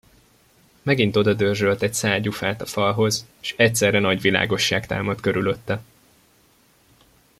Megint odadörzsölt egy szál gyufát a falhoz, s egyszerre nagy világosság támadt körülötte.